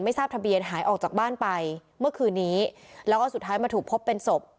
ทราบทะเบียนหายออกจากบ้านไปเมื่อคืนนี้แล้วก็สุดท้ายมาถูกพบเป็นศพ